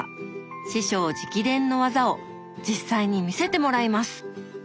師匠直伝の技を実際に見せてもらいます！